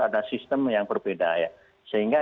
ada sistem yang berbeda ya sehingga